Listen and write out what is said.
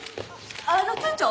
あの町長？